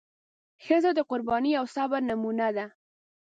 ښځه د قربانۍ او صبر نمونه ده.